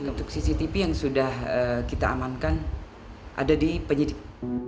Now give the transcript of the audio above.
untuk cctv yang sudah kita amankan ada di penyidik